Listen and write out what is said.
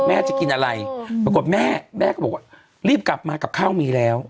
แม่จะกินอะไรปรากฏแม่แม่ก็บอกว่ารีบกลับมากับข้าวมีแล้ว